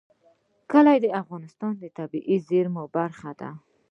کلي د افغانستان د طبیعي زیرمو برخه ده.